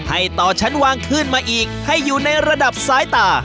ให้ต่อชั้นวางขึ้นมาอีกให้อยู่ในระดับซ้ายตา